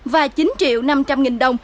và chín triệu năm trăm linh nghìn đồng